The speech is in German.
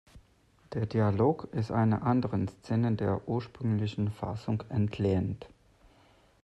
Der Dialog ist einer anderen Szene der ursprünglichen Fassung entlehnt.